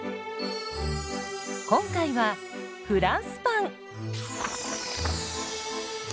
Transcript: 今回はフランスパン。